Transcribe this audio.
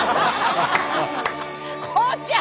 孝ちゃん！